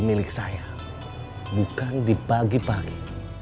milik saya bukan dibagi pagi